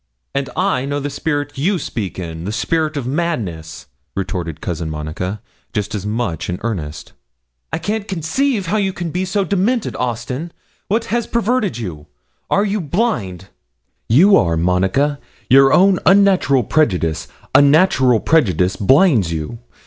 'And I know the spirit you speak in, the spirit of madness,' retorted Cousin Monica, just as much in earnest. 'I can't conceive how you can be so demented, Austin. What has perverted you? are you blind?' 'You are, Monica; your own unnatural prejudice unnatural prejudice, blinds you.